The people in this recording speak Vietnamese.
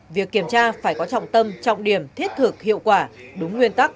việc kiểm tra phải có trọng tâm trọng điểm thiết thực hiệu quả đúng nguyên tắc